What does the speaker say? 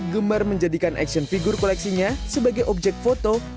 gemar menjadikan action figure koleksinya sebagai objek foto